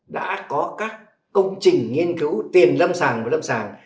đã có các công trình nghiên cứu tiền lâm sàng và lâm sản